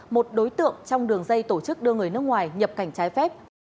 một đối tượng trong đường dây tổ chức đưa người nước ngoài nhập cảnh trái phép